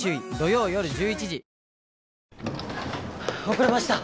遅れました。